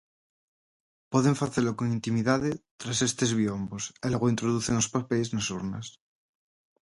Poden facelo con intimidade tras estes biombos e logo introducen os papeis nas urnas.